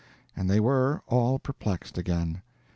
and they were, all perplexed again.